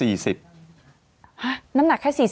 น้ำหนักแค่๔๐